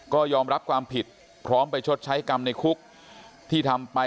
ก็ยอมรับความผิดพร้อมไปชดใช้กรรมในคุกที่ทำไป